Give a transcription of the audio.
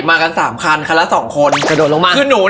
มากันสามคันขั้นละสองคน